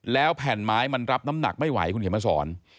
แล้วแผ่นไม้มันรับน้ำหนักไม่ไหวคุณเขียนมาสอน